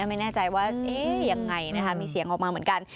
ไม่แน่ใจว่าเอ๊ะอย่างไรนะครับมีเสียงออกมาเหมือนกัน